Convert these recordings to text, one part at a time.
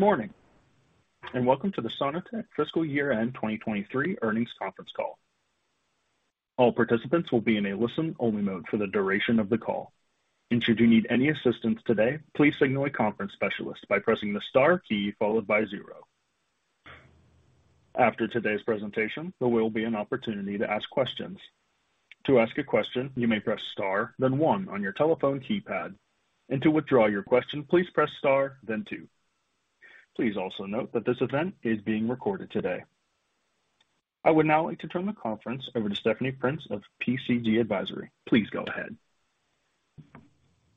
Good morning, and welcome to the Sono-Tek fiscal year-end 2023 earnings conference call. All participants will be in a listen-only mode for the duration of the call. Should you need any assistance today, please signal a conference specialist by pressing the star key followed by zero. After today's presentation, there will be an opportunity to ask questions. To ask a question, you may press star, then one on your telephone keypad, and to withdraw your question, please press star, then two. Please also note that this event is being recorded today. I would now like to turn the conference over to Stephanie Prince of PCG Advisory. Please go ahead.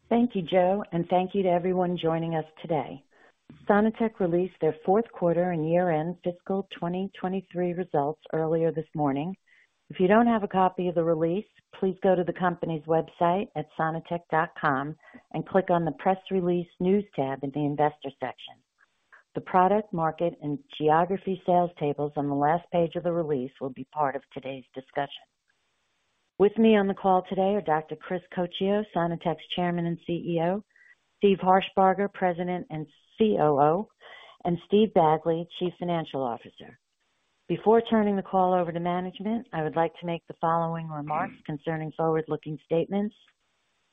Thank you, Joe, thank you to everyone joining us today. Sono-Tek released their fourth quarter and year-end fiscal 2023 results earlier this morning. If you don't have a copy of the release, please go to the company's website at sono-tek.com and click on the Press Release News tab in the Investor section. The product, market, and geography sales tables on the last page of the release will be part of today's discussion. With me on the call today are Dr. Chris Coccio, Sono-Tek's Chairman and CEO, Steve Harshbarger, President and COO, and Steve Bagley, Chief Financial Officer. Before turning the call over to management, I would like to make the following remarks concerning forward-looking statements.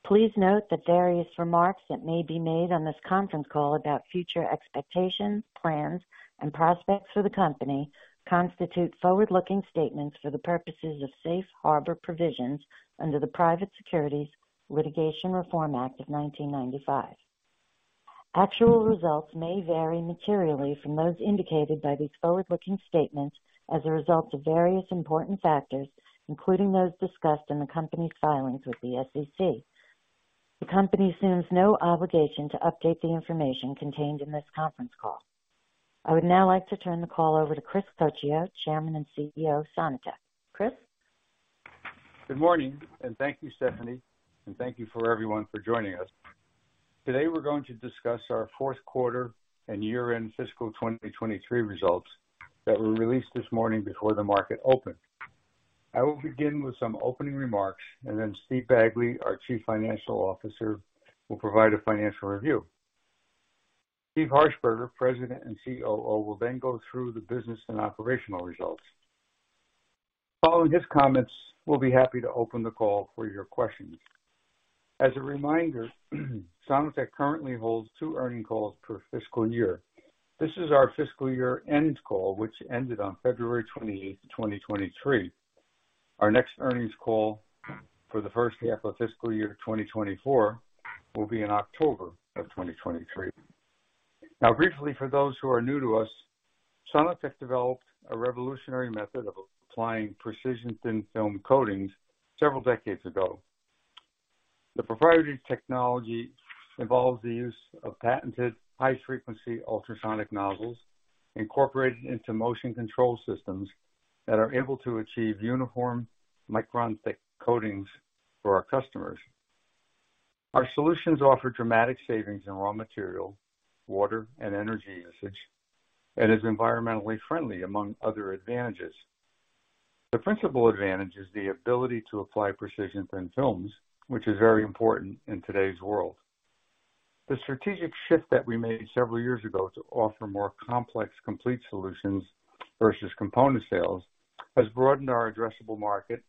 Please note that various remarks that may be made on this conference call about future expectations, plans, and prospects for the company constitute forward-looking statements for the purposes of safe harbor provisions under the Private Securities Litigation Reform Act of 1995. Actual results may vary materially from those indicated by these forward-looking statements as a result of various important factors, including those discussed in the company's filings with the SEC. The company assumes no obligation to update the information contained in this conference call. I would now like to turn the call over to Chris Coccio, Chairman and CEO of Sono-Tek. Chris? Good morning, and thank you, Stephanie, and thank you for everyone for joining us. Today, we're going to discuss our fourth quarter and year-end fiscal 2023 results that were released this morning before the market opened. I will begin with some opening remarks, and then Steve Bagley, our Chief Financial Officer, will provide a financial review. Steve Harshbarger, President and COO, will then go through the business and operational results. Following his comments, we'll be happy to open the call for your questions. As a reminder, Sono-Tek currently holds two earning calls per fiscal year. This is our fiscal year-end call, which ended on February 28, 2023. Our next earnings call for the first half of fiscal year 2024 will be in October of 2023. Now, briefly, for those who are new to us, Sono-Tek developed a revolutionary method of applying precision thin-film coatings several decades ago. The proprietary technology involves the use of patented high-frequency ultrasonic nozzles incorporated into motion control systems that are able to achieve uniform, micron-thick coatings for our customers. Our solutions offer dramatic savings in raw material, water, and energy usage, and is environmentally friendly, among other advantages. The principal advantage is the ability to apply precision thin-films, which is very important in today's world. The strategic shift that we made several years ago to offer more complex, complete solutions versus component sales, has broadened our addressable market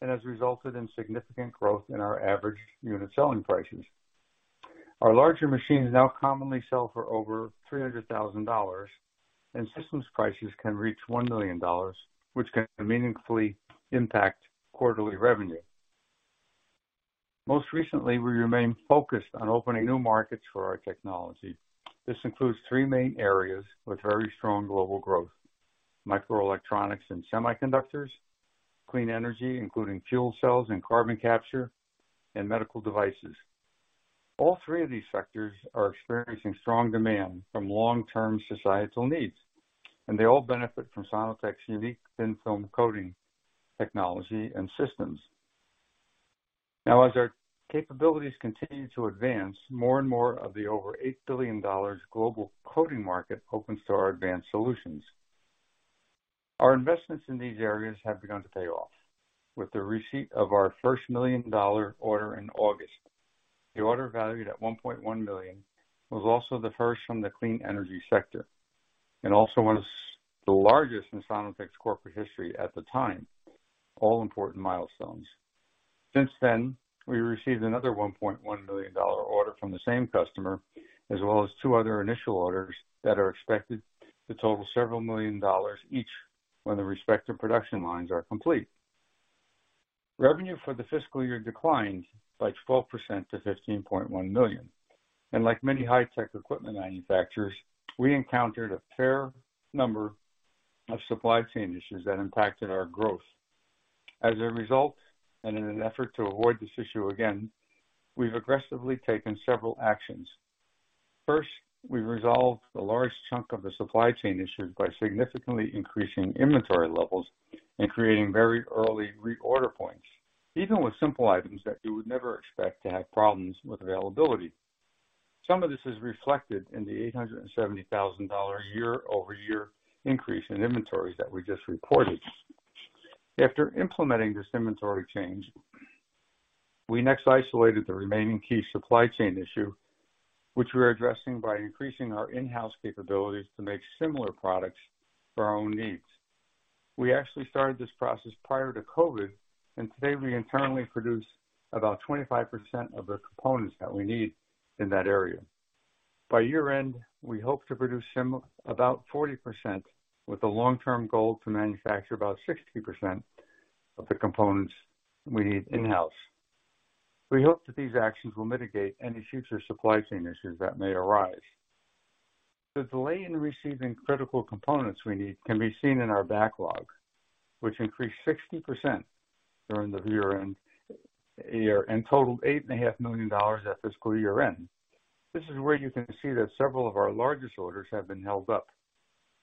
and has resulted in significant growth in our average unit selling prices. Our larger machines now commonly sell for over $300,000, and systems prices can reach $1 million, which can meaningfully impact quarterly revenue. Most recently, we remain focused on opening new markets for our technology. This includes three main areas with very strong global growth: microelectronics and semiconductors, clean energy, including fuel cells and carbon capture, and medical devices. All three of these sectors are experiencing strong demand from long-term societal needs, and they all benefit from Sono-Tek's unique thin-film coating technology and systems. Now, as our capabilities continue to advance, more and more of the over $8 billion global coating market opens to our advanced solutions. Our investments in these areas have begun to pay off with the receipt of our first million-dollar order in August. The order, valued at $1.1 million, was also the first from the clean energy sector and also one of the largest in Sono-Tek's corporate history at the time. All important milestones. Since then, we received another $1.1 million order from the same customer, as well as two other initial orders that are expected to total several million dollars each when the respective production lines are complete. Revenue for the fiscal year declined by 12% to $15.1 million. Like many high-tech equipment manufacturers, we encountered a fair number of supply chain issues that impacted our growth. As a result, in an effort to avoid this issue again, we've aggressively taken several actions. First, we resolved the largest chunk of the supply chain issues by significantly increasing inventory levels and creating very early reorder points, even with simple items that you would never expect to have problems with availability. Some of this is reflected in the $870,000 year-over-year increase in inventories that we just reported. After implementing this inventory change-. We next isolated the remaining key supply chain issue, which we're addressing by increasing our in-house capabilities to make similar products for our own needs. We actually started this process prior to COVID, and today we internally produce about 25% of the components that we need in that area. By year-end, we hope to produce about 40%, with the long-term goal to manufacture about 60% of the components we need in-house. We hope that these actions will mitigate any future supply chain issues that may arise. The delay in receiving critical components we need can be seen in our backlog, which increased 60% during the year-end, and totaled $8.5 million at fiscal year-end. This is where you can see that several of our largest orders have been held up.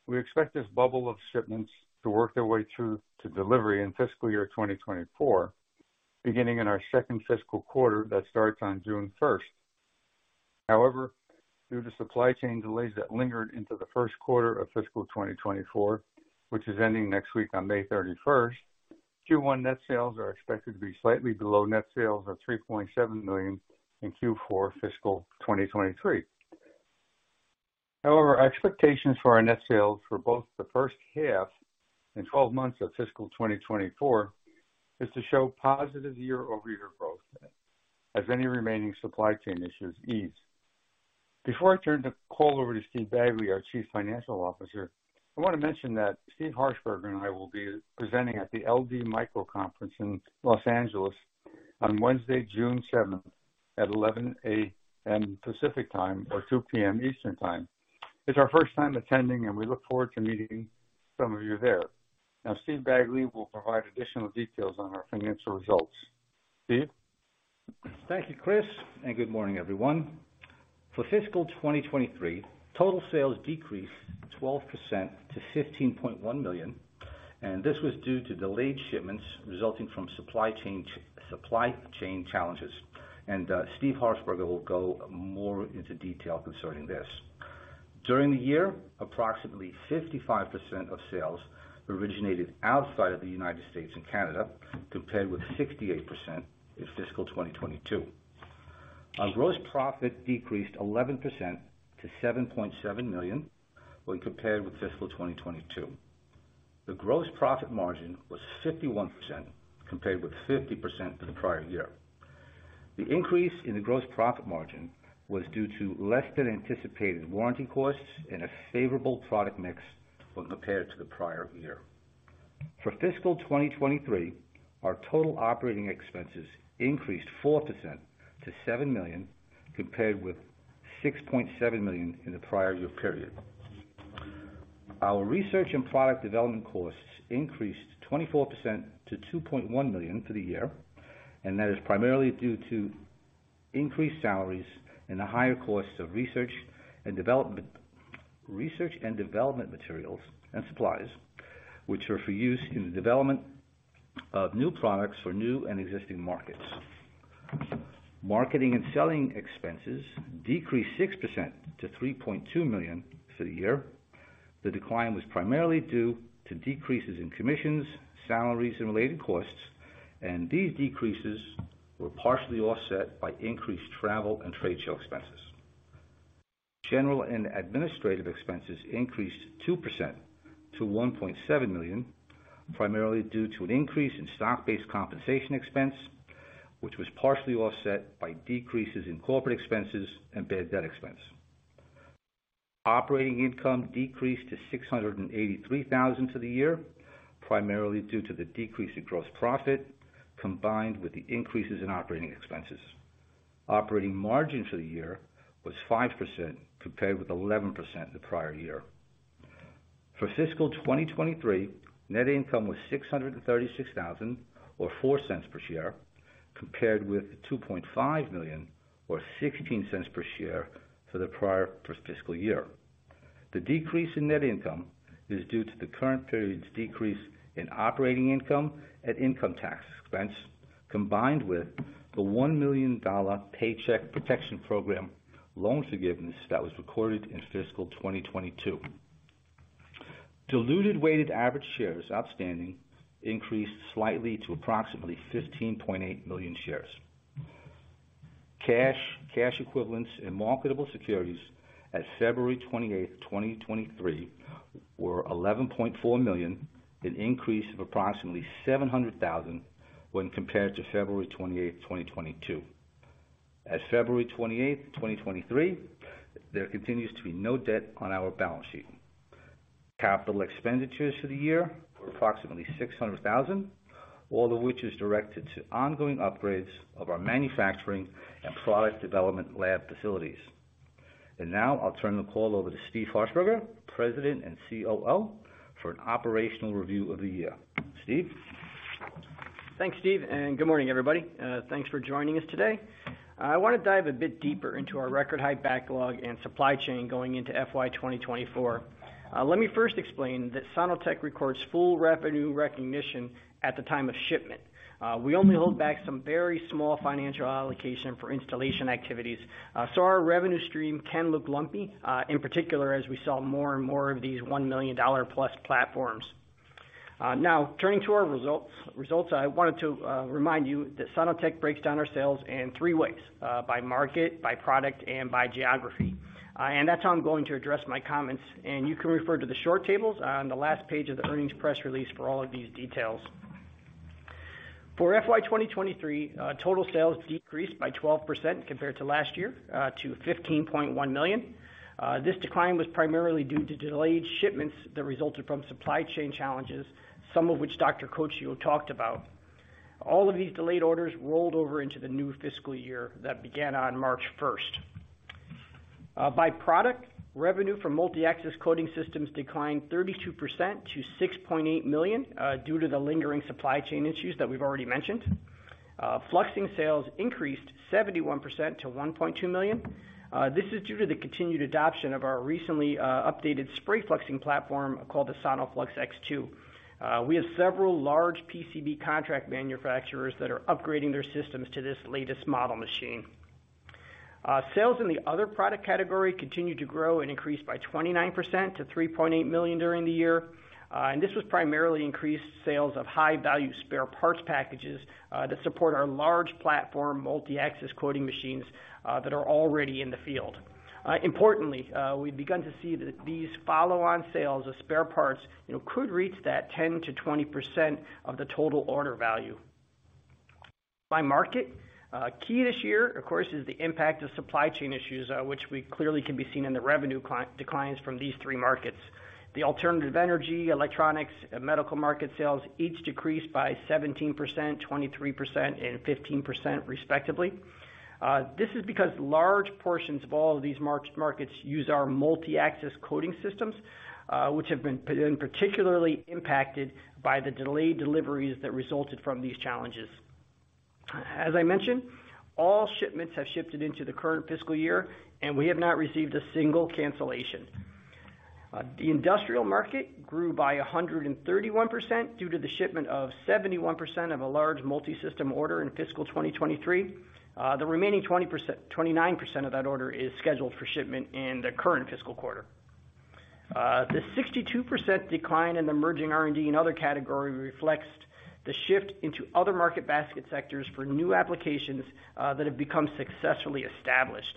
We expect this bubble of shipments to work their way through to delivery in fiscal year 2024, beginning in our second fiscal quarter that starts on June 1st. Due to supply chain delays that lingered into the first quarter of fiscal 2024, which is ending next week on May 31st, Q1 net sales are expected to be slightly below net sales of $3.7 million in Q4 fiscal 2023. Our expectations for our net sales for both the first half and 12 months of fiscal 2024 is to show positive year-over-year growth as any remaining supply chain issues ease. Before I turn the call over to Steve Bagley, our Chief Financial Officer, I want to mention that Steve Harshbarger and I will be presenting at the LD Micro Conference in Los Angeles on Wednesday, June 7th, at 11:00 A.M. Pacific Time, or 2:00 P.M. Eastern Time. It's our first time attending. We look forward to meeting some of you there. Now, Steve Bagley will provide additional details on our financial results. Steve? Thank you, Chris. Good morning, everyone. For fiscal 2023, total sales decreased 12% to $15.1 million. This was due to delayed shipments resulting from supply chain challenges. Steve Harshbarger will go more into detail concerning this. During the year, approximately 55% of sales originated outside of the United States and Canada, compared with 68% in fiscal 2022. Our gross profit decreased 11% to $7.7 million when compared with fiscal 2022. The gross profit margin was 51%, compared with 50% for the prior year. The increase in the gross profit margin was due to less than anticipated warranty costs and a favorable product mix when compared to the prior year. For fiscal 2023, our total operating expenses increased 4% to $7 million, compared with $6.7 million in the prior year period. Our research and product development costs increased 24% to $2.1 million for the year. That is primarily due to increased salaries and the higher costs of research and development, research and development materials and supplies, which are for use in the development of new products for new and existing markets. Marketing and selling expenses decreased 6% to $3.2 million for the year. The decline was primarily due to decreases in commissions, salaries, and related costs. These decreases were partially offset by increased travel and trade show expenses. General and administrative expenses increased 2% to $1.7 million, primarily due to an increase in stock-based compensation expense, which was partially offset by decreases in corporate expenses and bad debt expense. Operating income decreased to $683,000 for the year, primarily due to the decrease in gross profit, combined with the increases in operating expenses. Operating margin for the year was 5%, compared with 11% the prior year. For fiscal 2023, net income was $636,000, or $0.04 per share, compared with $2.5 million, or $0.16 per share for the prior fiscal year. The decrease in net income is due to the current period's decrease in operating income and income tax expense, combined with the $1 million Paycheck Protection Program, loan forgiveness that was recorded in fiscal 2022. Diluted Weighted Average Shares outstanding increased slightly to approximately 15.8 million shares. Cash, cash equivalents and marketable securities at February 28, 2023, were $11.4 million, an increase of approximately $700,000 when compared to February 28, 2022. As February 28, 2023, there continues to be no debt on our balance sheet. Capital expenditures for the year were approximately $600,000, all of which is directed to ongoing upgrades of our manufacturing and product development lab facilities. Now I'll turn the call over to Steve Harshbarger, President and COO, for an operational review of the year. Steve? Thanks, Steve, and good morning, everybody. Thanks for joining us today. I want to dive a bit deeper into our record-high backlog and supply chain going into FY 2024. Let me first explain that Sono-Tek records full revenue recognition at the time of shipment. We only hold back some very small financial allocation for installation activities, so our revenue stream can look lumpy, in particular, as we sell more and more of these $1 million+ platforms. Now, turning to our results, I wanted to remind you that Sono-Tek breaks down our sales in three ways: by market, by product, and by geography. That's how I'm going to address my comments, and you can refer to the short tables on the last page of the earnings press release for all of these details. For FY 2023, total sales decreased by 12% compared to last year, to $15.1 million. This decline was primarily due to delayed shipments that resulted from supply chain challenges, some of which Dr. Coccio talked about. All of these delayed orders rolled over into the new fiscal year that began on March 1st. By product, revenue from multi-axis coating systems declined 32% to $6.8 million due to the lingering supply chain issues that we've already mentioned. Fluxing sales increased 71% to $1.2 million. This is due to the continued adoption of our recently updated spray fluxing platform called the SonoFlux X2. We have several large PCB contract manufacturers that are upgrading their systems to this latest model machine. Sales in the other product category continued to grow and increased by 29% to $3.8 million during the year. This was primarily increased sales of high value spare parts packages that support our large platform, multi-axis coating machines that are already in the field. Importantly, we've begun to see that these follow-on sales of spare parts, you know, could reach that 10%-20% of the total order value. By market, key this year, of course, is the impact of supply chain issues, which we clearly can be seen in the revenue declines from these three markets. The alternative energy, electronics, and medical market sales each decreased by 17%, 23%, and 15% respectively. This is because large portions of all of these marked markets use our multi-axis coating systems, which have been particularly impacted by the delayed deliveries that resulted from these challenges. As I mentioned, all shipments have shifted into the current fiscal year, and we have not received a single cancellation. The industrial market grew by 131% due to the shipment of 71% of a large multi-system order in fiscal 2023. The remaining 29% of that order is scheduled for shipment in the current fiscal quarter. The 62% decline in the emerging R&D and other category reflects the shift into other market basket sectors for new applications that have become successfully established.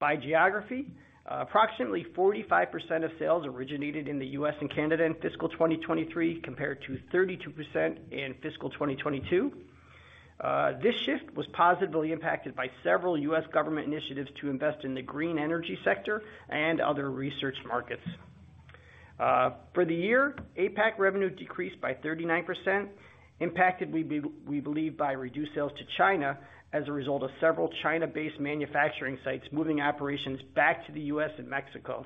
By geography, approximately 45% of sales originated in the U.S. and Canada in fiscal 2023, compared to 32% in fiscal 2022. This shift was positively impacted by several U.S. government initiatives to invest in the green energy sector and other research markets. For the year, APAC revenue decreased by 39%, impacted, we believe, by reduced sales to China as a result of several China-based manufacturing sites moving operations back to the U.S. and Mexico.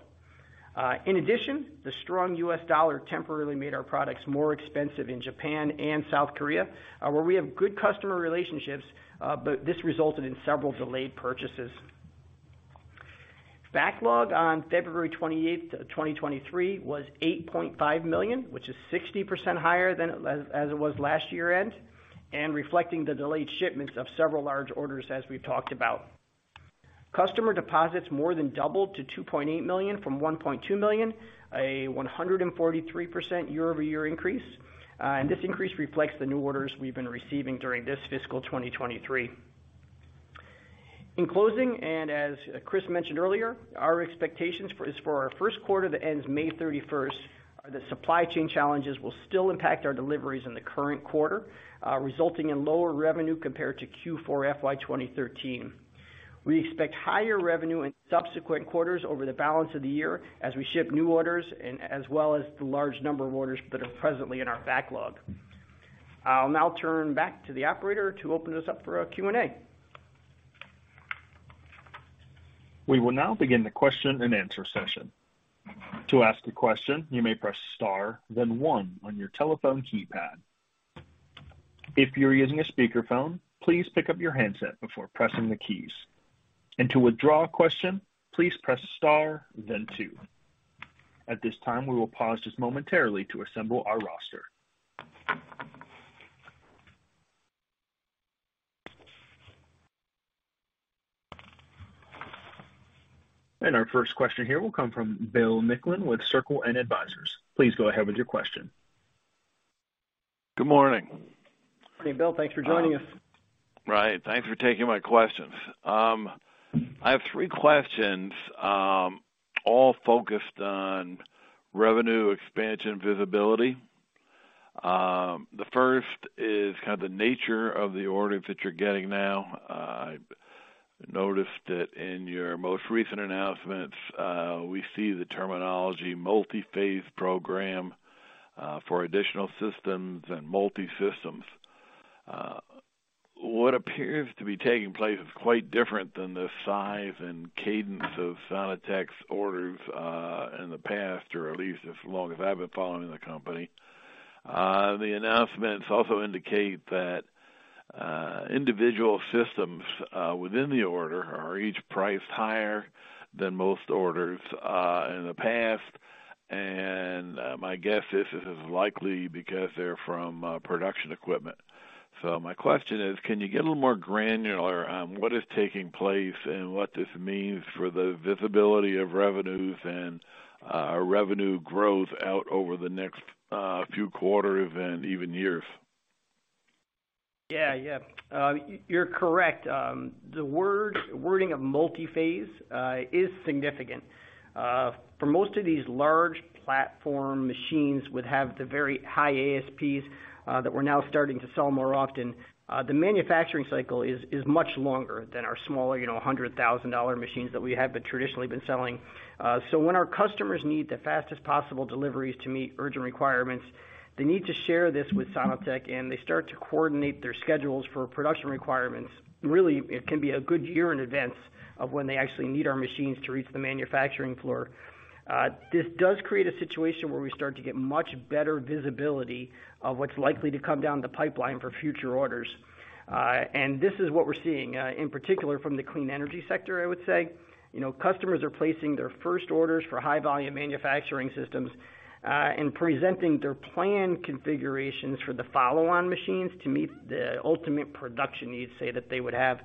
In addition, the strong U.S. dollar temporarily made our products more expensive in Japan and South Korea, where we have good customer relationships, but this resulted in several delayed purchases. Backlog on February 28, 2023 was $8.5 million, which is 60% higher than as it was last year-end. Reflecting the delayed shipments of several large orders, as we've talked about. Customer deposits more than doubled to $2.8 million from $1.2 million, a 143% year-over-year increase. This increase reflects the new orders we've been receiving during this FY 2023. In closing, as Chris mentioned earlier, our expectations is for our first quarter that ends May 31st, are the supply chain challenges will still impact our deliveries in the current quarter, resulting in lower revenue compared to Q4 FY 2013. We expect higher revenue in subsequent quarters over the balance of the year as we ship new orders, and as well as the large number of orders that are presently in our backlog. I'll now turn back to the operator to open this up for a Q&A. We will now begin the question-and-answer session. To ask a question, you may press star, then one on your telephone keypad. If you're using a speakerphone, please pick up your handset before pressing the keys. To withdraw a question, please press star, then two. At this time, we will pause just momentarily to assemble our roster. Our first question here will come from Bill Nicklin with Circle N Advisors. Please go ahead with your question. Good morning. Hey, Bill. Thanks for joining us. Right. Thanks for taking my questions. I have three questions, all focused on revenue expansion visibility. The first is kind of the nature of the orders that you're getting now. I noticed that in your most recent announcements, we see the terminology multi-phase program, for additional systems and multi-systems. What appears to be taking place is quite different than the size and cadence of Sono-Tek's orders, in the past, or at least as long as I've been following the company. The announcements also indicate that individual systems, within the order are each priced higher than most orders, in the past. My guess is, this is likely because they're from, production equipment.... My question is, can you get a little more granular on what is taking place and what this means for the visibility of revenues and our revenue growth out over the next few quarters and even years? Yeah, yeah. You're correct. The wording of multi-phase is significant. For most of these large platform machines, would have the very high ASPs that we're now starting to sell more often. The manufacturing cycle is much longer than our smaller, you know, $100,000 machines that we have traditionally been selling. When our customers need the fastest possible deliveries to meet urgent requirements, they need to share this with Sono-Tek, and they start to coordinate their schedules for production requirements. Really, it can be a good year in advance of when they actually need our machines to reach the manufacturing floor. This does create a situation where we start to get much better visibility of what's likely to come down the pipeline for future orders. This is what we're seeing, in particular, from the clean energy sector, I would say. You know, customers are placing their first orders for high volume manufacturing systems, and presenting their plan configurations for the follow-on machines to meet the ultimate production needs, say, that they would have.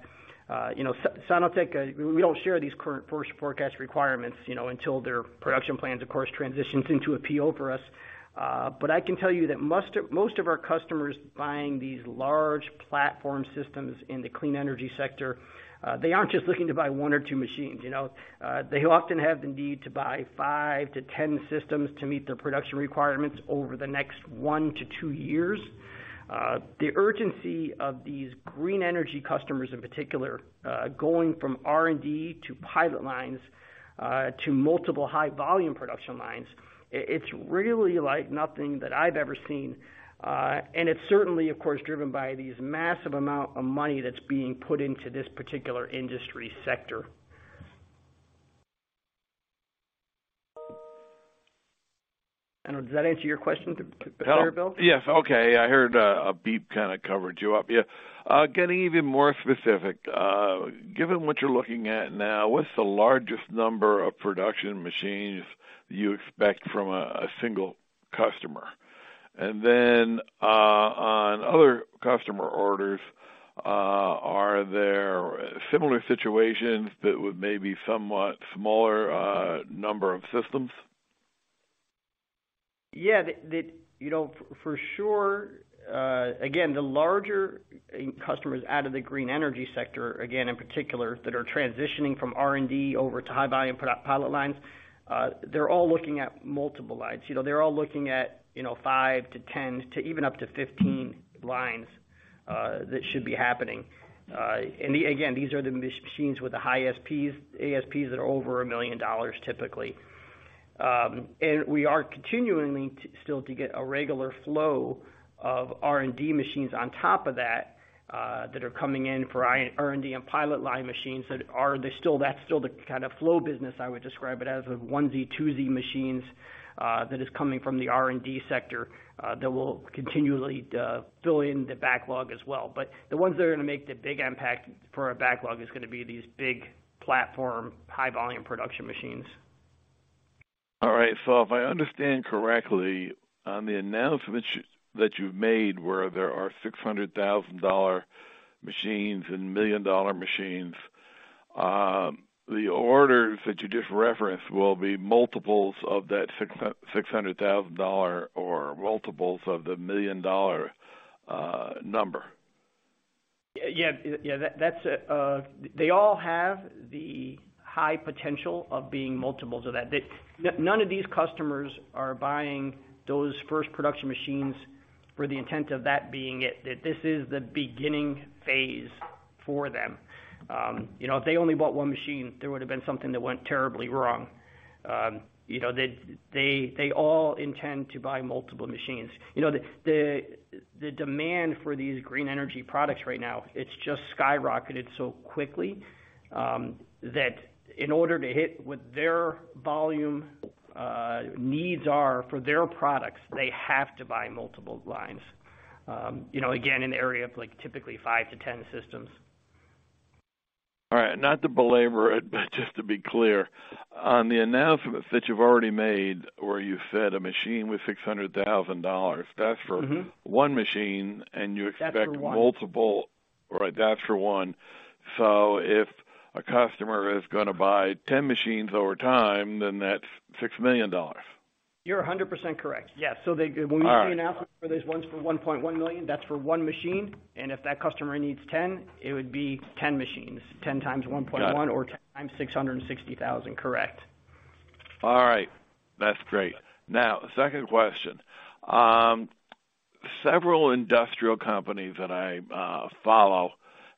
You know, Sono-Tek, we don't share these current first forecast requirements, you know, until their production plans, of course, transitions into a PO for us. I can tell you that most of our customers buying these large platform systems in the clean energy sector, they aren't just looking to buy one or two machines, you know? They often have the need to buy five to 10 systems to meet their production requirements over the next one to two years. The urgency of these green energy customers, in particular, going from R&D to pilot lines, to multiple high volume production lines, it's really like nothing that I've ever seen. It's certainly, of course, driven by these massive amount of money that's being put into this particular industry sector. Does that answer your question, Bill? Yes. Okay. I heard, a beep kind of covered you up. Yeah. Getting even more specific, given what you're looking at now, what's the largest number of production machines you expect from a single customer? On other customer orders, are there similar situations that would may be somewhat smaller, number of systems? Yeah, the, you know, for sure, again, the larger customers out of the green energy sector, again, in particular, that are transitioning from R&D over to high volume pilot lines, they're all looking at multiple lines. You know, they're all looking at, you know, five to 10, to even up to 15 lines, that should be happening. Again, these are the machines with the high ASPs that are over $1 million, typically. We are continuing to still to get a regular flow of R&D machines on top of that are coming in for R&D and pilot line machines that are. They're still, that's still the kind of flow business I would describe it as, of onesie, twosie machines, that is coming from the R&D sector, that will continually, fill in the backlog as well. The ones that are going to make the big impact for our backlog is going to be these big platform, high volume production machines. If I understand correctly, on the announcement that you've made, where there are $600,000 machines and $1 million machines, the orders that you just referenced will be multiples of that $600,000 or multiples of the $1 million number? Yeah. Yeah, that's, they all have the high potential of being multiples of that. None of these customers are buying those first production machines for the intent of that being it, that this is the beginning phase for them. You know, if they only bought one machine, there would have been something that went terribly wrong. You know, they all intend to buy multiple machines. You know, the demand for these green energy products right now, it's just skyrocketed so quickly, that in order to hit what their volume needs are for their products, they have to buy multiple lines. You know, again, in the area of like, typically five to 10 systems. All right, not to belabor it, but just to be clear, on the announcement that you've already made, where you said a machine was $600,000, that's for- Mm-hmm. - one machine, and you expect- That's for one. multiple. Right, that's for one. If a customer is gonna buy 10 machines over time, then that's $6 million. You're 100% correct. Yes. All right. They, when we make the announcement for this ones for $1.1 million, that's for one machine. If that customer needs 10, it would be 10 machines, 10 x $1.1- Got it. or 10 x $660,000. Correct. All right. That's great. Now, second question. Several industrial companies that I follow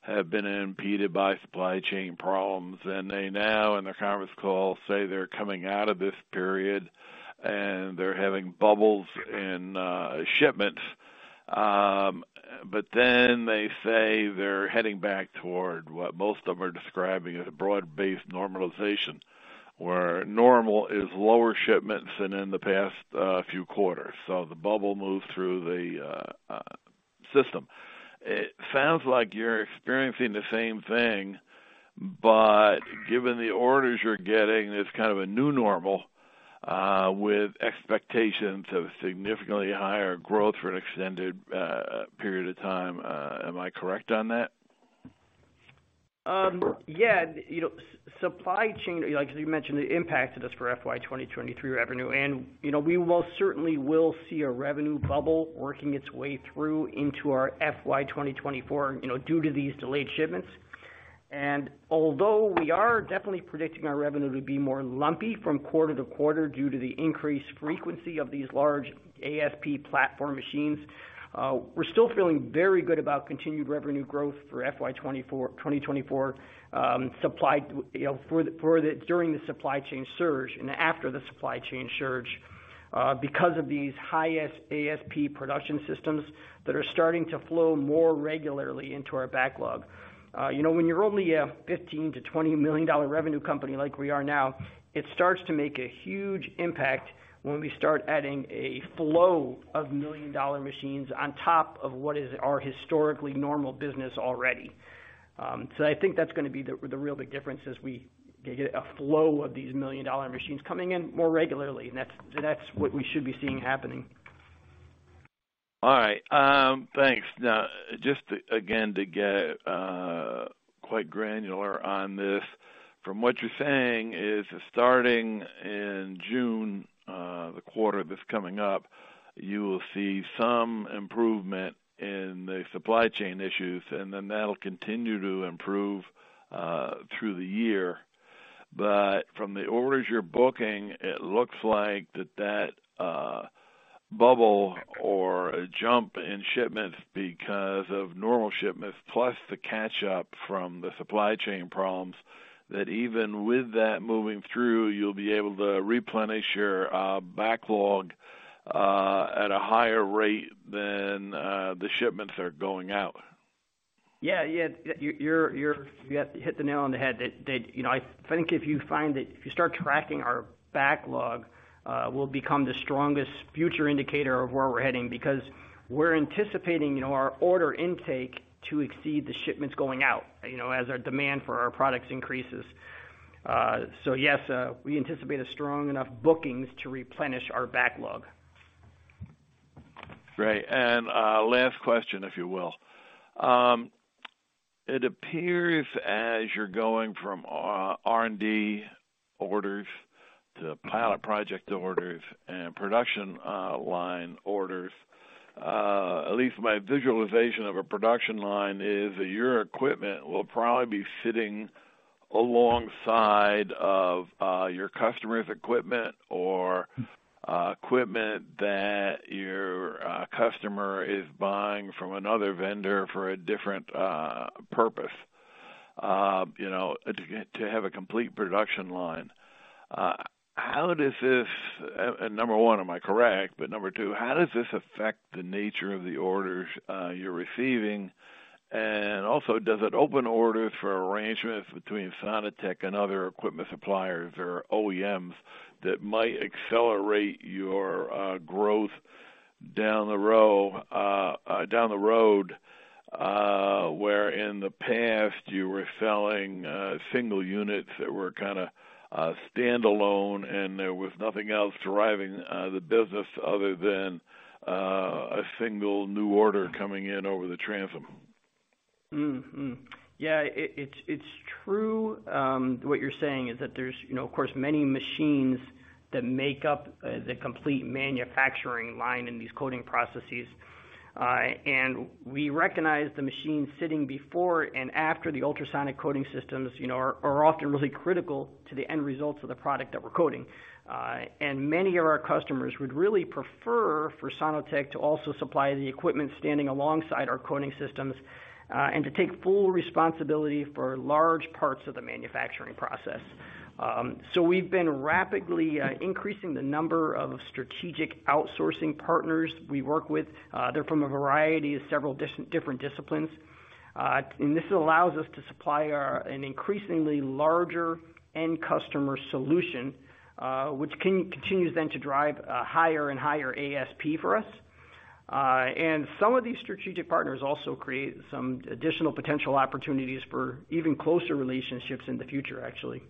have been impeded by supply chain problems, and they now, in their conference call, say they're coming out of this period, and they're having bubbles in shipments. They say they're heading back toward what most of them are describing as a broad-based normalization, where normal is lower shipments than in the past, few quarters. The bubble moves through the system. It sounds like you're experiencing the same thing. Given the orders you're getting, it's kind of a new normal, with expectations of significantly higher growth for an extended period of time. Am I correct on that? Yeah, you know, supply chain, like as you mentioned, it impacted us for FY 2023 revenue. You know, we most certainly will see a revenue bubble working its way through into our FY 2024, you know, due to these delayed shipments. Although we are definitely predicting our revenue to be more lumpy from quarter to quarter due to the increased frequency of these large ASP platform machines, we're still feeling very good about continued revenue growth for FY 2024, supply, you know, during the supply chain surge and after the supply chain surge, because of these high ASP production systems that are starting to flow more regularly into our backlog. You know, when you're only a $15 million-$20 million revenue company like we are now, it starts to make a huge impact when we start adding a flow of million-dollar machines on top of what is our historically normal business already. I think that's gonna be the real big difference as we get a flow of these million-dollar machines coming in more regularly. That's, that's what we should be seeing happening. All right. thanks. Now, just again, to get quite granular on this. From what you're saying is, starting in June, the quarter that's coming up, you will see some improvement in the supply chain issues, and then that'll continue to improve through the year. From the orders you're booking, it looks like that bubble or jump in shipments because of normal shipments, plus the catch up from the supply chain problems, that even with that moving through, you'll be able to replenish your backlog at a higher rate than the shipments are going out. Yeah. Yeah. You hit the nail on the head. That. You know, I think if you find that if you start tracking our backlog, will become the strongest future indicator of where we're heading, because we're anticipating, you know, our order intake to exceed the shipments going out, you know, as our demand for our products increases. yes, we anticipate a strong enough bookings to replenish our backlog. Great. Last question, if you will. It appears as you're going from R&D orders to pilot project orders and production line orders, at least my visualization of a production line is that your equipment will probably be sitting alongside of your customer's equipment or equipment that your customer is buying from another vendor for a different purpose, you know, to have a complete production line. How does this, and one, am I correct? two, how does this affect the nature of the orders you're receiving? Also, does it open orders for arrangements between Sono-Tek and other equipment suppliers or OEMs that might accelerate your growth down the road, where in the past you were selling single units that were kind of standalone, and there was nothing else driving the business other than a single new order coming in over the transom? It's true. What you're saying is that there's, you know, of course, many machines that make up the complete manufacturing line in these coating processes. We recognize the machines sitting before and after the ultrasonic coating systems, you know, are often really critical to the end results of the product that we're coating. Many of our customers would really prefer for Sono-Tek to also supply the equipment standing alongside our coating systems to take full responsibility for large parts of the manufacturing process. We've been rapidly increasing the number of strategic outsourcing partners we work with. They're from a variety of several different disciplines. This allows us to supply our, an increasingly larger end customer solution, which continues to drive a higher and higher ASP for us. Some of these strategic partners also create some additional potential opportunities for even closer relationships in the future, actually.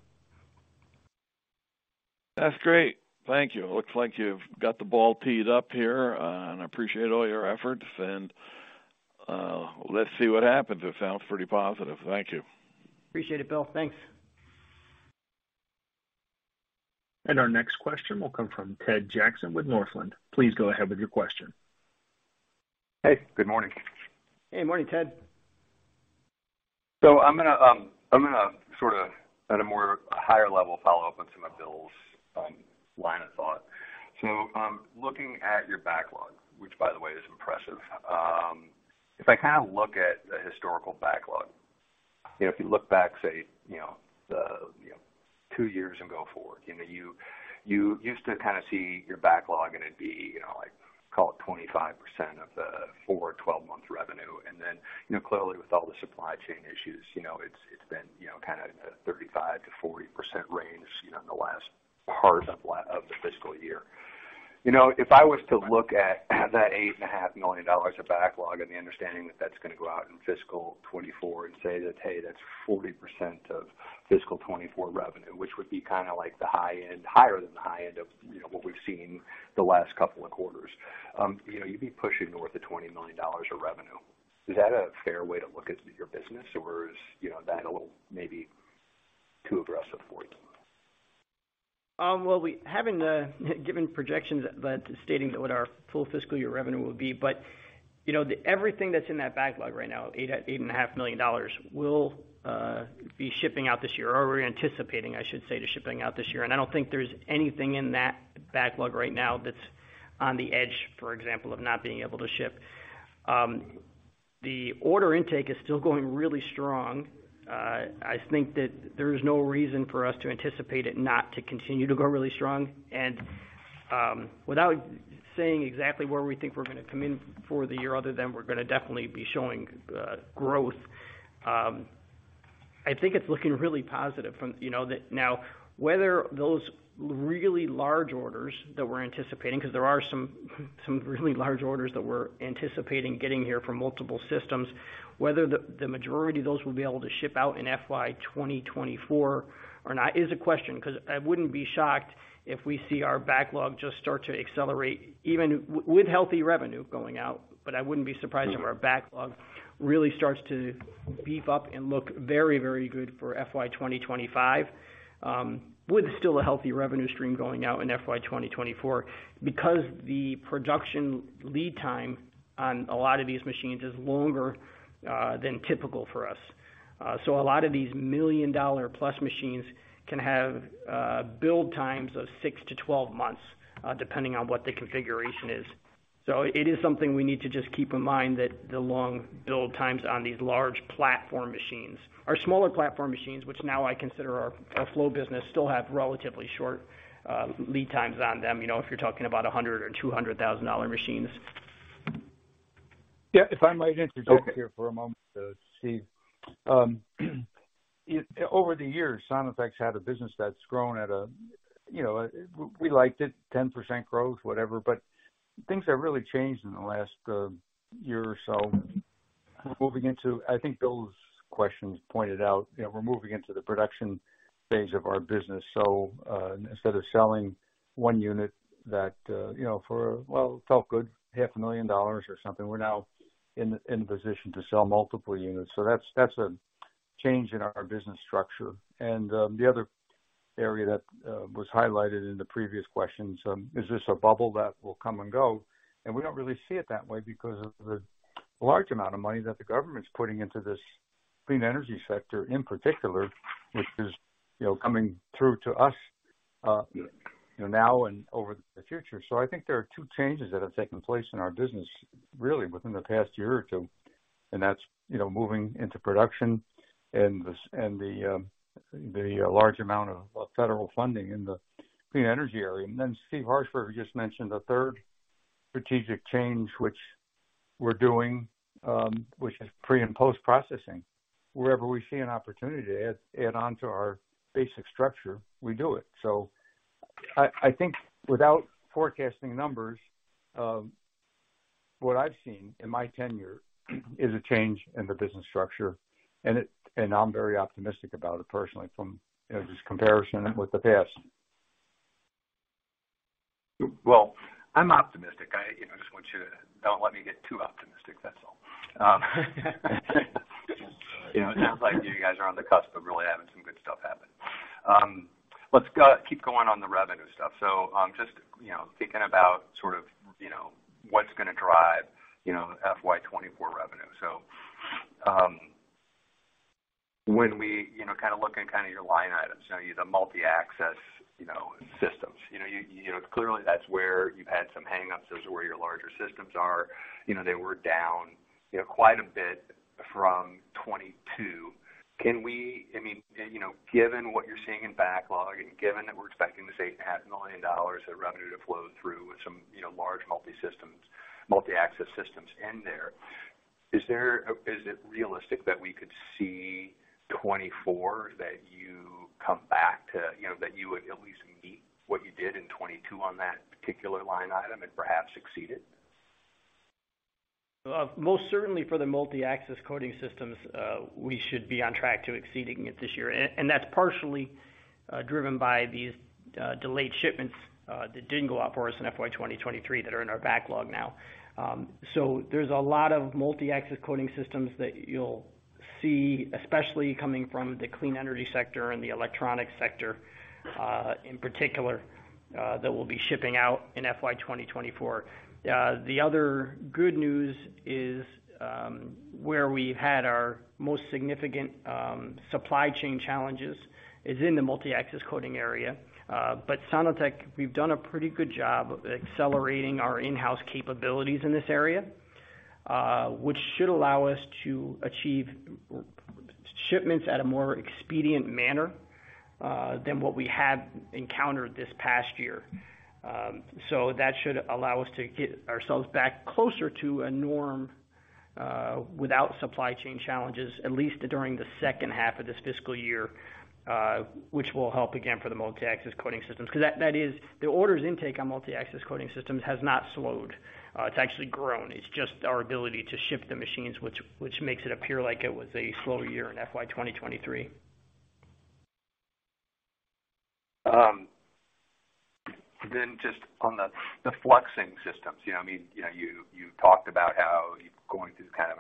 That's great. Thank you. It looks like you've got the ball teed up here, and I appreciate all your efforts. Let's see what happens. It sounds pretty positive. Thank you. Appreciate it, Bill. Thanks. Our next question will come from Ted Jackson with Northland. Please go ahead with your question. Hey, good morning. Hey, morning, Ted. I'm gonna, I'm gonna sort of at a more higher level, follow up on some of Bill's line of thought. Looking at your backlog, which, by the way, is impressive, if I kind of look at the historical backlog, you know, if you look back, say, you know, the, you know, two years and go forward, you know, you used to kind of see your backlog and it'd be, you know, like, call it 25% of the four 12-month revenue. Clearly with all the supply chain issues, you know, it's been, you know, kind of a 35%-40% range, you know, in the last part of the fiscal year. You know, if I was to look at that $8.5 million of backlog and the understanding that that's gonna go out in fiscal 2024 and say that, "Hey, that's 40% of fiscal 2024 revenue," which would be kind of like the high end, higher than the high end of, you know, what we've seen the last couple of quarters. You know, you'd be pushing north of $20 million of revenue. Is that a fair way to look at your business, or is, you know, that a little, maybe too aggressive for you? Well, we haven't given projections, but stating what our full fiscal year revenue will be. You know, the everything that's in that backlog right now, $8.5 million, will be shipping out this year, or we're anticipating, I should say, to shipping out this year. I don't think there's anything in that backlog right now that's on the edge, for example, of not being able to ship. The order intake is still going really strong. I think that there is no reason for us to anticipate it not to continue to go really strong. Without saying exactly where we think we're gonna come in for the year, other than we're gonna definitely be showing growth, I think it's looking really positive from... You know, that now, whether those really large orders that we're anticipating, because there are some really large orders that we're anticipating getting here from multiple systems, whether the majority of those will be able to ship out in FY 2024 or not, is a question, because I wouldn't be shocked if we see our backlog just start to accelerate, even with healthy revenue going out. I wouldn't be surprised if our backlog really starts to beef up and look very, very good for FY 2025, with still a healthy revenue stream going out in FY 2024, because the production lead time on a lot of these machines is longer than typical for us. A lot of these $1 million+ machines can have build times of six to 12 months, depending on what the configuration is. It is something we need to just keep in mind, that the long build times on these large platform machines. Our smaller platform machines, which now I consider our flow business, still have relatively short lead times on them, you know, if you're talking about $100,000 or $200,000 machines. Yeah, if I might interject here for a moment, Steve. Over the years, Sono-Tek had a business that's grown at a, you know, we liked it, 10% growth, whatever, but things have really changed in the last year or so. We're moving into... I think Bill's questions pointed out, you know, we're moving into the production phase of our business. Instead of selling one unit that, you know, for, well, felt good, half a million dollars or something, we're now in a position to sell multiple units. That's, that's a change in our business structure. The other area that was highlighted in the previous questions, is this a bubble that will come and go? We don't really see it that way because of the large amount of money that the government's putting into this clean energy sector in particular, which is, you know, coming through to us, now and over the future. I think there are two changes that have taken place in our business, really within the past year or two, and that's, you know, moving into production and the large amount of federal funding in the clean energy area. Then Steve Harshbarger just mentioned a third strategic change, which we're doing, which is pre- and post-processing. Wherever we see an opportunity to add on to our basic structure, we do it. I think without forecasting numbers, what I've seen in my tenure, is a change in the business structure, and it. I'm very optimistic about it personally, from, you know, just comparison with the past. I'm optimistic. I, you know, just want you to don't let me get too optimistic, that's all. You know, it sounds like you guys are on the cusp of really having some good stuff happen. Let's go, keep going on the revenue stuff. Just, you know, thinking about sort of, you know, what's gonna drive, you know, FY 2024 revenue. When we, you know, kind of look in kind of your line items, you know, the multi-axis, you know, systems, you know, you know, clearly that's where you've had some hangups. Those are where your larger systems are. You know, they were down, you know, quite a bit from 2022. Can we, I mean, you know, given what you're seeing in backlog and given that we're expecting to see half a million dollars of revenue to flow through with some, you know, large multi-systems, multi-axis systems in there, is it realistic that we could see 2024, that you come back to, you know, that you would at least meet what you did in 2022 on that particular line item and perhaps exceed it? Most certainly for the multi-axis coating systems, we should be on track to exceeding it this year. That's partially driven by these delayed shipments that didn't go out for us in FY 2023, that are in our backlog now. There's a lot of multi-axis coating systems that you'll see, especially coming from the clean energy sector and the electronic sector in particular, that we'll be shipping out in FY 2024. The other good news is where we've had our most significant supply chain challenges is in the multi-axis coating area. Sono-Tek, we've done a pretty good job of accelerating our in-house capabilities in this area, which should allow us to achieve shipments at a more expedient manner than what we had encountered this past year. That should allow us to get ourselves back closer to a norm, without supply chain challenges, at least during the second half of this fiscal year, which will help again for the multi-axis coating systems. That is the orders intake on multi-axis coating systems has not slowed, it's actually grown. It's just our ability to ship the machines, which makes it appear like it was a slow year in FY 2023. Just on the fluxing systems. You know, I mean, you know, you talked about how you're going through kind of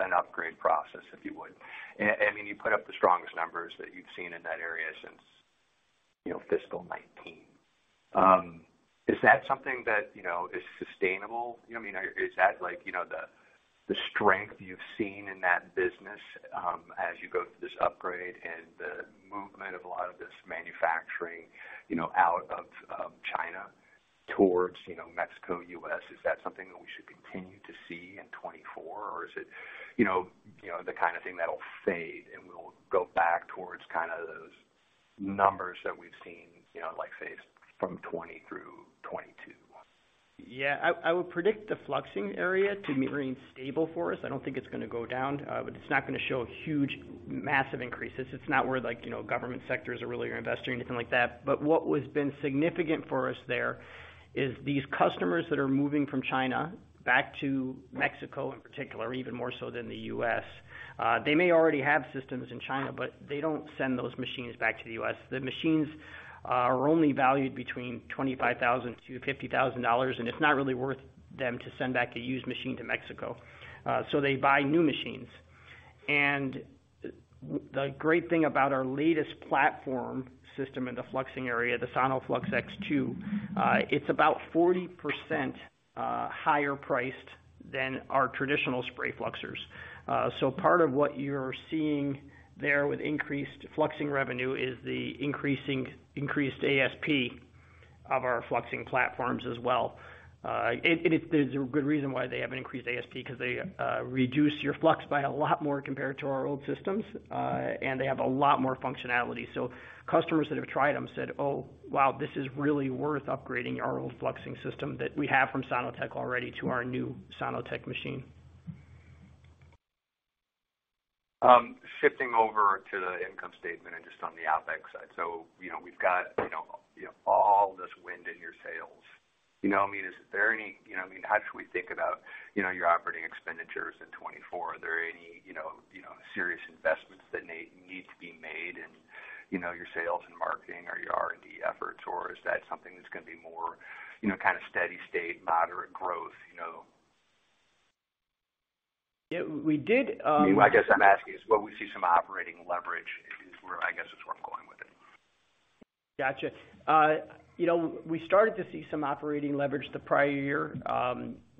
an upgrade process, if you would. And then you put up the strongest numbers that you've seen in that area since, you know, FY 2019. Is that something that, you know, is sustainable? You know what I mean? Is that like, you know, the strength you've seen in that business, as you go through this upgrade and the movement of a lot of this manufacturing, you know, out of China towards, you know, Mexico, U.S., is that something that we should continue to see in 2024, or is it, you know, you know, the kind of thing that'll fade and we'll go back towards kind of those numbers that we've seen, you know, like, say, from 2020 through 2022? Yeah, I would predict the fluxing area to remain stable for us. I don't think it's gonna go down. It's not gonna show huge, massive increases. It's not where, like, you know, government sectors are really investing or anything like that. What has been significant for us there is these customers that are moving from China back to Mexico, in particular, even more so than the U.S. They may already have systems in China, but they don't send those machines back to the U.S. The machines are only valued between $25,000-$50,000, and it's not really worth them to send back a used machine to Mexico. They buy new machines. The great thing about our latest platform system in the fluxing area, the SonoFlux X2, it's about 40% higher priced than our traditional spray fluxers. Part of what you're seeing there with increased fluxing revenue is the increased ASP of our fluxing platforms as well. There's a good reason why they have an increased ASP, because they reduce your flux by a lot more compared to our old systems, and they have a lot more functionality. Customers that have tried them said, "Oh, wow, this is really worth upgrading our old fluxing system that we have from Sono-Tek already to our new Sono-Tek machine. Shifting over to the income statement and just on the OpEx side. You know, we've got, you know, all this wind in your sails. You know, I mean, is there any? You know, I mean, how should we think about, you know, your operating expenditures in 2024? Are there any, you know, serious investments that need to be made in, you know, your sales and marketing or your R&D efforts? Or is that something that's gonna be more, you know, kind of steady state, moderate growth, you know? Yeah, we did. I guess I'm asking, will we see some operating leverage, is where, I guess, is where I'm going with it. Gotcha. You know, we started to see some operating leverage the prior year,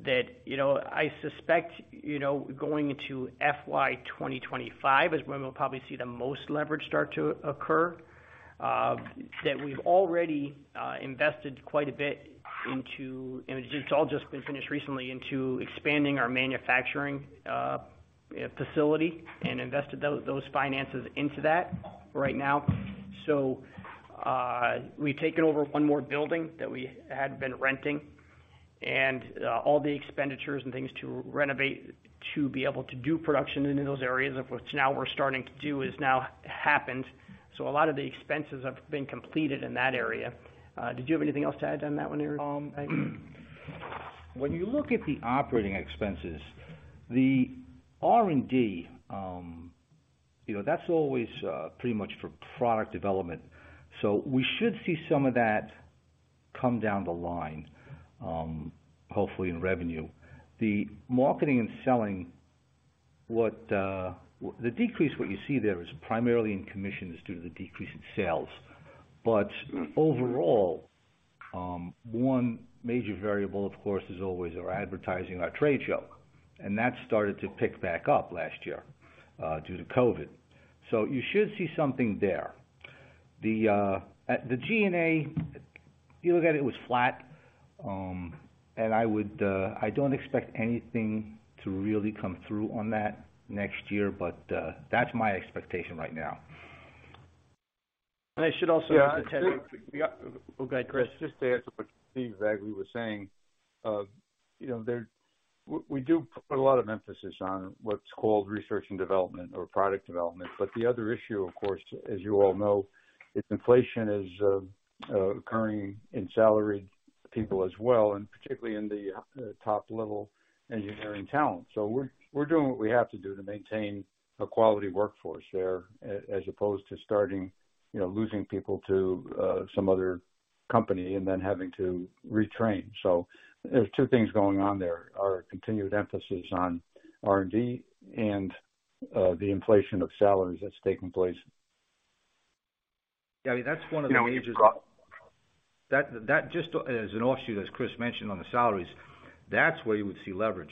that, you know, I suspect, you know, going into FY 2025 is when we'll probably see the most leverage start to occur. That we've already invested quite a bit into, and it's all just been finished recently, into expanding our manufacturing facility and invested those finances into that right now. We've taken over one more building that we had been renting, and all the expenditures and things to renovate to be able to do production into those areas of which now we're starting to do, is now happened. A lot of the expenses have been completed in that area. Did you have anything else to add on that one, Bagley? When you look at the operating expenses, the R&D, you know, that's always pretty much for product development. We should see some of that come down the line, hopefully in revenue. The marketing and selling, the decrease what you see there is primarily in commissions due to the decrease in sales. Overall, one major variable, of course, is always our advertising, our trade show, and that started to pick back up last year due to COVID. At the G&A, if you look at it was flat, and I would, I don't expect anything to really come through on that next year, but that's my expectation right now. I should also add- Yeah. Oh, go ahead, Chris. Just to add to what Steve Bagley was saying, you know, there we do put a lot of emphasis on what's called research and development or product development. The other issue, of course, as you all know, is inflation is occurring in salaried people as well, and particularly in the top-level engineering talent. We're doing what we have to do to maintain a quality workforce there, as opposed to starting, you know, losing people to some other company and then having to retrain. There's two things going on there, our continued emphasis on R&D and the inflation of salaries that's taking place. That's one of the majors. That just as an offshoot, as Chris mentioned on the salaries, that's where you would see leverage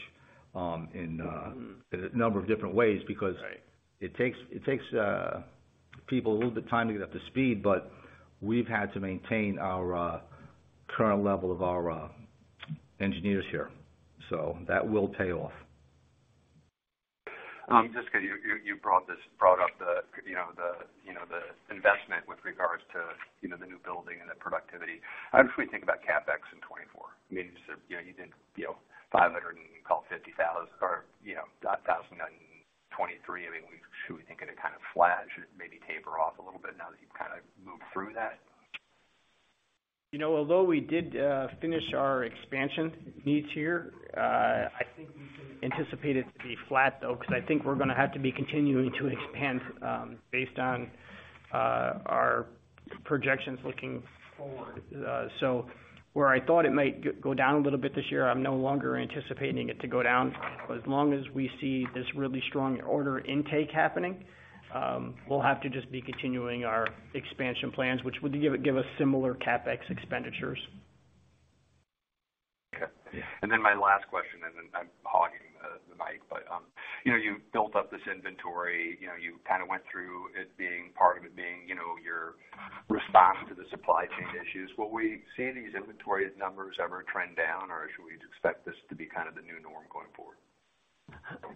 in a number of different ways. Right. It takes people a little bit time to get up to speed, but we've had to maintain our current level of our engineers here. That will pay off. just 'cause you brought this, brought up the, you know, the investment with regards to, you know, the new building and the productivity. How do you think about CapEx in 2024? I mean, you said, you know, you did, you know, $550,000 or, you know, thousand in 2023. I mean, we should be thinking it kind of flat or maybe taper off a little bit now that you've kind of moved through that. You know, although we did finish our expansion needs here, I think we can anticipate it to be flat, though, because I think we're going to have to be continuing to expand, based on our projections looking forward. Where I thought it might go down a little bit this year, I'm no longer anticipating it to go down. As long as we see this really strong order intake happening, we'll have to just be continuing our expansion plans, which would give us similar CapEx expenditures. Okay. My last question, then I'm hogging the mic. You know, you've built up this inventory. You know, you kind of went through it being, part of it being, you know, your response to the supply chain issues. Will we see these inventory numbers ever trend down, or should we expect this to be kind of the new norm going forward?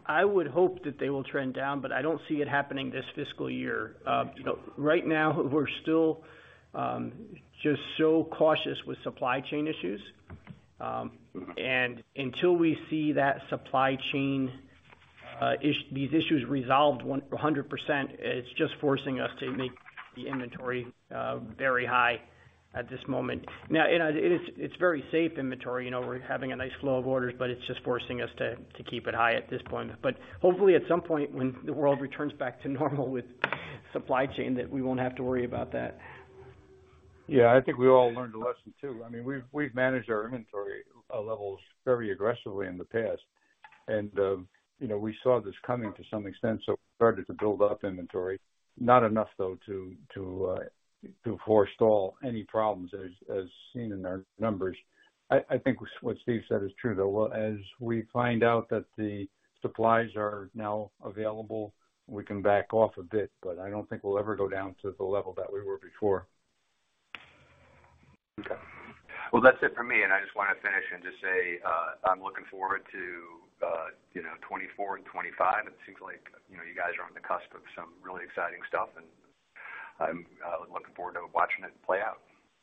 I would hope that they will trend down, but I don't see it happening this fiscal year. Right now, we're still just so cautious with supply chain issues. Until we see that supply chain these issues resolved 100%, it's just forcing us to make the inventory very high at this moment. Now, it's very safe inventory. You know, we're having a nice flow of orders, but it's just forcing us to keep it high at this point. Hopefully, at some point, when the world returns back to normal with supply chain, that we won't have to worry about that. Yeah, I think we all learned a lesson, too. I mean, we've managed our inventory levels very aggressively in the past. You know, we saw this coming to some extent, so we started to build up inventory. Not enough, though, to forestall any problems, as seen in our numbers. I think what Steve said is true, though. As we find out that the supplies are now available, we can back off a bit, but I don't think we'll ever go down to the level that we were before. Okay. Well, that's it for me. I just want to finish and just say, I'm looking forward to, you know, 2024 and 2025. It seems like, you know, you guys are on the cusp of some really exciting stuff, and I'm looking forward to watching it play out.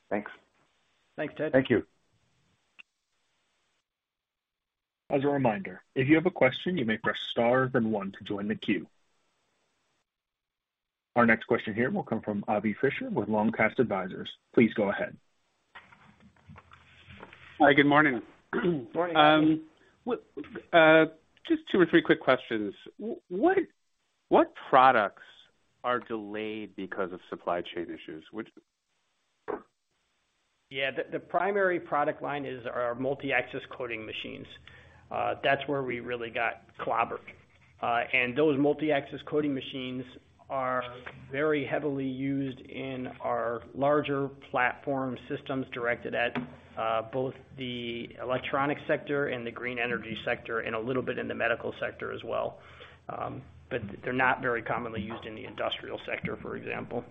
Thanks. Thanks, Ted. Thank you. As a reminder, if you have a question, you may press star, then one to join the queue. Our next question here will come from Avi Fisher with Long Cast Advisers. Please go ahead. Hi, good morning. Good morning. Just two or three quick questions. What products are delayed because of supply chain issues? Yeah, the primary product line is our multi-axis coating machines. That's where we really got clobbered. Those multi-axis coating machines are very heavily used in our larger platform systems, directed at, both the electronic sector and the green energy sector, and a little bit in the medical sector as well. But they're not very commonly used in the industrial sector, for example.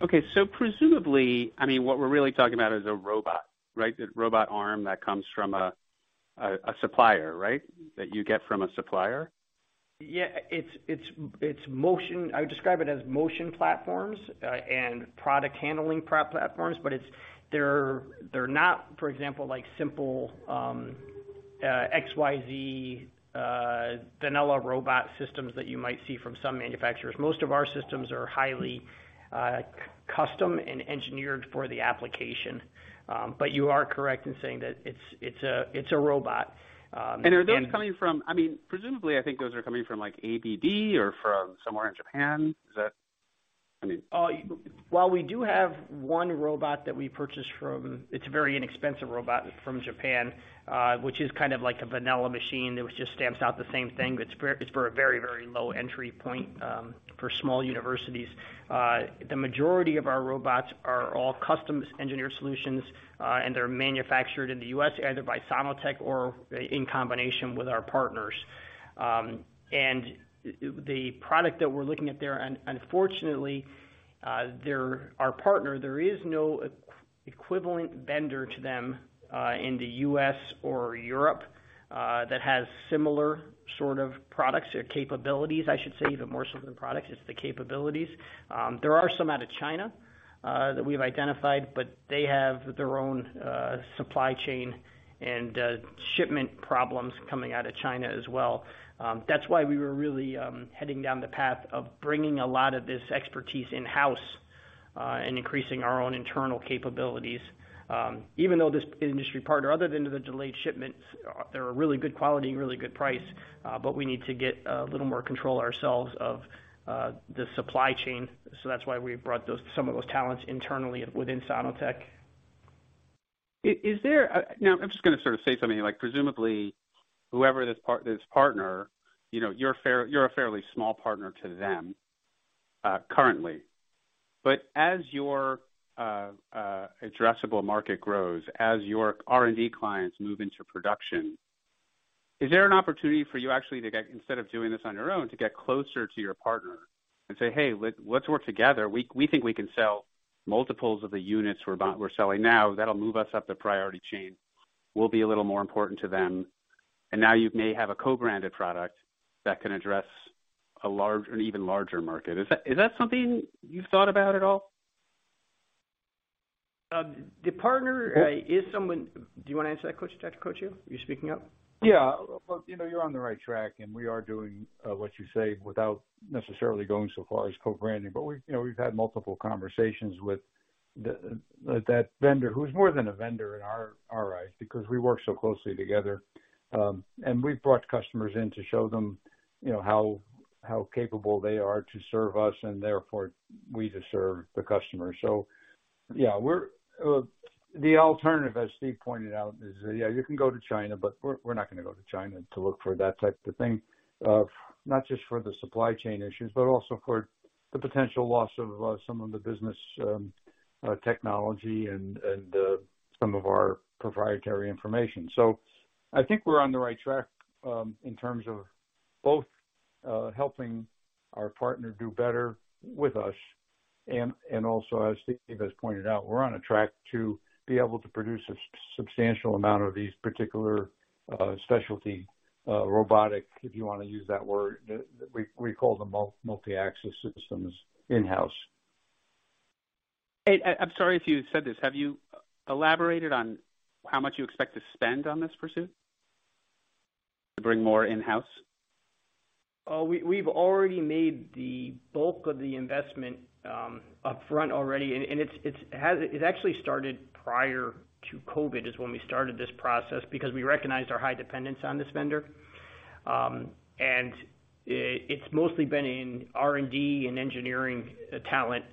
Okay, presumably, I mean, what we're really talking about is a robot, right? The robot arm that comes from a supplier, right? That you get from a supplier. Yeah, it's motion. I would describe it as motion platforms and product handling platforms, but they're not, for example, like simple XYZ vanilla robot systems that you might see from some manufacturers. Most of our systems are highly custom and engineered for the application. You are correct in saying that it's a robot. Are those coming from-- I mean, presumably, I think those are coming from, like, A&D or from somewhere in Japan? Is that, I mean? While we do have one robot that we purchased from, it's a very inexpensive robot from Japan, which is kind of like a vanilla machine, which just stamps out the same thing. It's for, it's for a very, very low entry point for small universities. The majority of our robots are all custom engineered solutions, and they're manufactured in the U.S., either by Sono-Tek or in combination with our partners. The product that we're looking at there, unfortunately, they're our partner. There is no equivalent vendor to them in the U.S. or Europe that has similar sort of products or capabilities, I should say, even more so than products, it's the capabilities. There are some out of China that we've identified. They have their own supply chain and shipment problems coming out of China as well. That's why we were really heading down the path of bringing a lot of this expertise in-house and increasing our own internal capabilities. Even though this industry partner, other than the delayed shipments, they're a really good quality and really good price. We need to get a little more control ourselves of the supply chain. That's why we brought those, some of those talents internally within Sono-Tek. Is there, I'm just going to sort of say something like, presumably, whoever this partner, you know, you're a fairly small partner to them, currently. As your addressable market grows, as your R&D clients move into production, is there an opportunity for you actually, to get, instead of doing this on your own, to get closer to your partner and say, "Hey, let's work together. We think we can sell multiples of the units we're selling now. That'll move us up the priority chain"? That will be a little more important to them, now you may have a co-branded product that can address a large, an even larger market. Is that something you've thought about at all? The partner is someone-- Do you wanna answer that, Dr. Coccio? You're speaking up. Yeah. Well, you know, you're on the right track, and we are doing what you say without necessarily going so far as co-branding. We, you know, we've had multiple conversations with the that vendor, who's more than a vendor in our eyes, because we work so closely together. We've brought customers in to show them, you know, how capable they are to serve us, and therefore, we to serve the customer. Yeah, we're. The alternative, as Steve pointed out, is, yeah, you can go to China, but we're not gonna go to China to look for that type of thing. Not just for the supply chain issues, but also for the potential loss of some of the business, technology and some of our proprietary information. I think we're on the right track, in terms of both, helping our partner do better with us, and also, as Steve has pointed out, we're on a track to be able to produce a substantial amount of these particular, specialty, robotic, if you wanna use that word, that we call them multi-axis systems in-house. Hey, I'm sorry if you said this. Have you elaborated on how much you expect to spend on this pursuit to bring more in-house? We've already made the bulk of the investment upfront already, and it actually started prior to COVID, is when we started this process, because we recognized our high dependence on this vendor. It's mostly been in R&D and engineering talent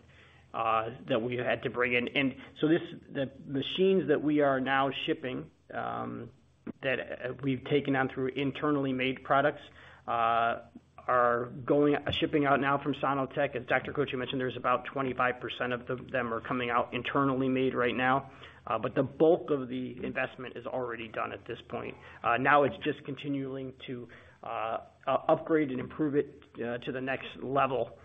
that we had to bring in. The machines that we are now shipping that we've taken on through internally made products are shipping out now from Sono-Tek. As Dr. Coccio mentioned, there's about 25% of them are coming out internally made right now. The bulk of the investment is already done at this point. Now it's just continuing to upgrade and improve it to the next level.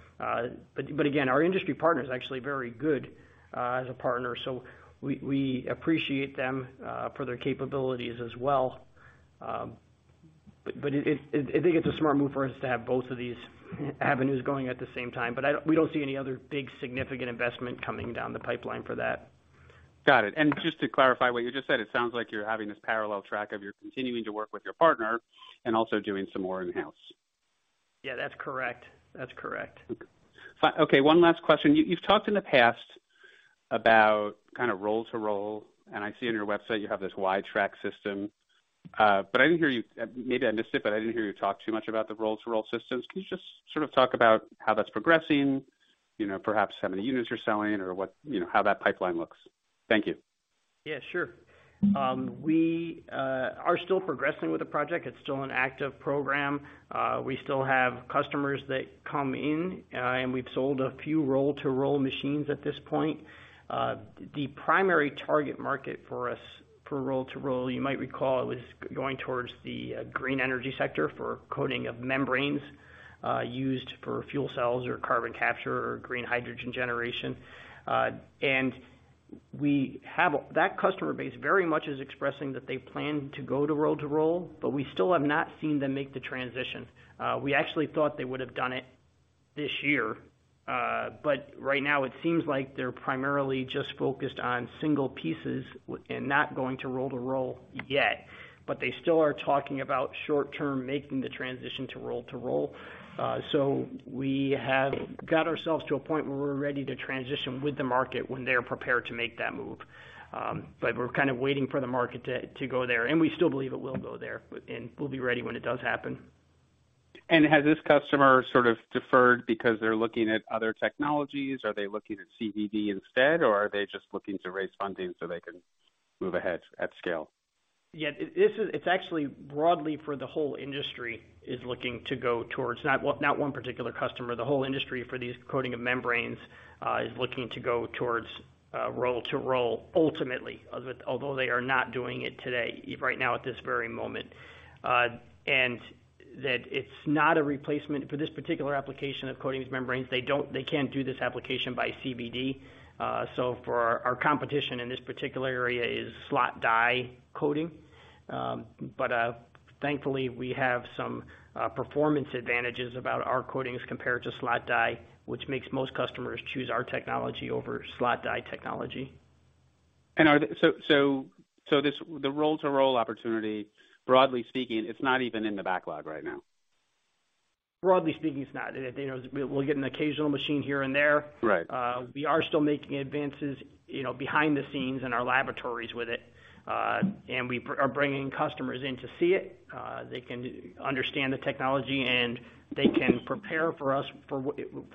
Again, our industry partner is actually very good as a partner, so we appreciate them for their capabilities as well. It, I think it's a smart move for us to have both of these avenues going at the same time, we don't see any other big significant investment coming down the pipeline for that. Got it. Just to clarify what you just said, it sounds like you're having this parallel track of you're continuing to work with your partner and also doing some more in-house. Yeah, that's correct. That's correct. Okay, one last question. You've talked in the past about kind of roll-to-roll, and I see on your website you have this Y-Track system. I didn't hear you, maybe I missed it, but I didn't hear you talk too much about the roll-to-roll systems. Can you just sort of talk about how that's progressing, you know, perhaps how many units you're selling or what, you know, how that pipeline looks? Thank you. Yeah, sure. We are still progressing with the project. It's still an active program. We still have customers that come in, and we've sold a few roll-to-roll machines at this point. The primary target market for us for roll-to-roll, you might recall, it was going towards the green energy sector for coating of membranes, used for fuel cells or carbon capture or green hydrogen generation. That customer base very much is expressing that they plan to go to roll-to-roll, but we still have not seen them make the transition. We actually thought they would have done it this year, but right now it seems like they're primarily just focused on single pieces and not going to roll-to-roll yet, but they still are talking about short-term making the transition to roll-to-roll. We have got ourselves to a point where we're ready to transition with the market when they're prepared to make that move. We're kind of waiting for the market to go there, and we still believe it will go there, and we'll be ready when it does happen. Has this customer sort of deferred because they're looking at other technologies? Are they looking at CBD instead, or are they just looking to raise funding so they can move ahead at scale? Yeah, it's actually broadly for the whole industry is looking to go towards, not one, not one particular customer. The whole industry for these coating of membranes is looking to go towards roll-to-roll ultimately, although they are not doing it today, right now, at this very moment. That it's not a replacement. For this particular application of coatings membranes, they can't do this application by CBD. For our competition in this particular area is slot die coating. Thankfully, we have some performance advantages about our coatings compared to slot die, which makes most customers choose our technology over slot die technology. So this, the roll-to-roll opportunity, broadly speaking, it's not even in the backlog right now? Broadly speaking, it's not. You know, we'll get an occasional machine here and there. Right. We are still making advances, you know, behind the scenes in our laboratories with it. We are bringing customers in to see it. They can understand the technology, and they can prepare for us for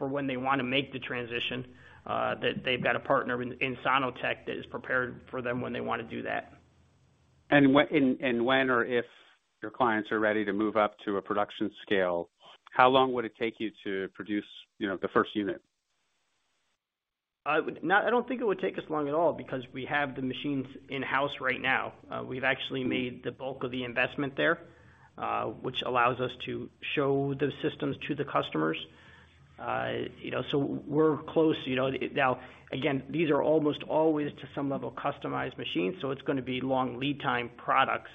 when they want to make the transition, that they've got a partner in Sono-Tek that is prepared for them when they want to do that. When, and when or if your clients are ready to move up to a production scale, how long would it take you to produce, you know, the first unit? I don't think it would take us long at all because we have the machines in-house right now. We've actually made the bulk of the investment there, which allows us to show the systems to the customers. You know, so we're close, you know. Again, these are almost always to some level, customized machines, so it's gonna be long lead time products.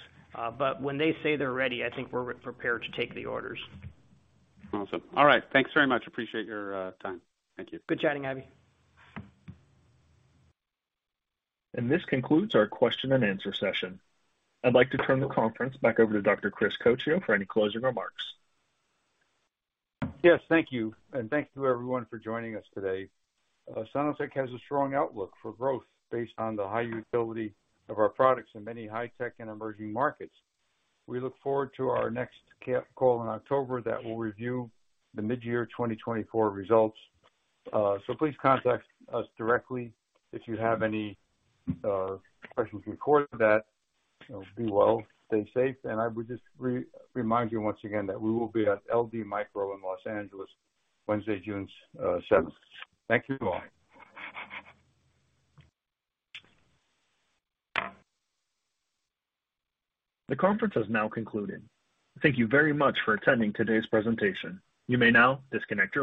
When they say they're ready, I think we're prepared to take the orders. Awesome. All right. Thanks very much. Appreciate your time. Thank you. Good chatting, Avi. This concludes our question-and-answer session. I'd like to turn the conference back over to Dr. Chris Coccio for any closing remarks. Yes, thank you. Thank you to everyone for joining us today. Sono-Tek has a strong outlook for growth based on the high utility of our products in many high tech and emerging markets. We look forward to our next call in October, that will review the mid-year 2024 results. Please contact us directly if you have any questions in regard to that. Be well, stay safe, and I would just remind you once again that we will be at LD Micro in Los Angeles, Wednesday, June 7th. Thank you, all. The conference has now concluded. Thank you very much for attending today's presentation. You may now disconnect your lines.